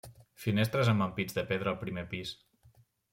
Finestres amb ampits de pedra al primer pis.